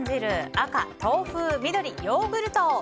赤、豆腐緑、ヨーグルト。